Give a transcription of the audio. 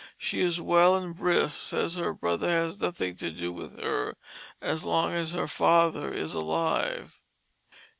She is well and brisk, says her Brother has nothing to do with her as long as her father is alive."